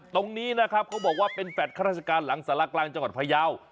ตรงนี้นะครับเขาบอกว่าเป็นแฟลต์ข้าราชการหลังสารกลางจังหวัดพยาว